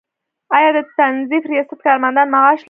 آیا د تنظیف ریاست کارمندان معاش لري؟